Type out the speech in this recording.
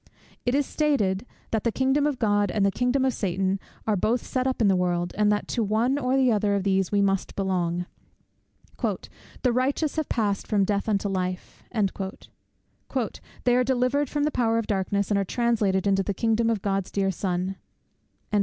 It is stated, that the kingdom of God and the kingdom of Satan are both set up in the world, and that to the one or the other of these we must belong. "The righteous have passed from death unto life" "they are delivered from the power of darkness, and are translated into the kingdom of God's dear Son."